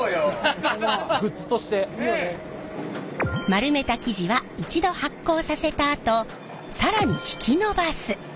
丸めた生地は一度発酵させたあと更に引き伸ばす。